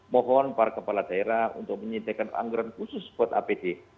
mohon para kepala daerah untuk menyediakan anggaran khusus buat apd